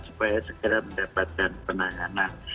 supaya segera mendapatkan penanganan